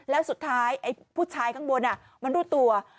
แล้วสุดท้ายไอ้ผู้ชายข้างบนมันรู้ตัว